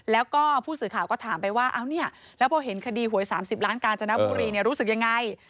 แล้วก็ผู้สื่อข่าวก็ถามไปว่าเอาเนี่ยแล้วพอเห็นคดีหวย๓๐ล้านกาญจนบุรีรู้สึกยังไง